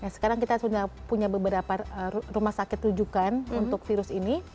sekarang kita sudah punya beberapa rumah sakit rujukan untuk virus ini